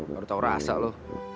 baru tau rasa lu